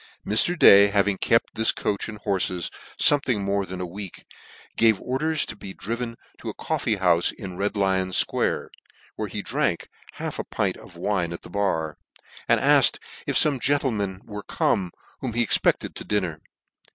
Mr. Day having kept his coach and horfes fomething more than a week, gave orders to be driven to a coffee houfe in Red Lion Square, where he drank half a pint of wine at the bar, and afked if fome gentlemen were come, whom he expected to fupper.